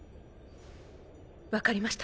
わかりました。